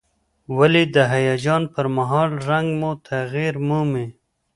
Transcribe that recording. ولې د هیجان پر مهال رنګ مو تغییر مومي؟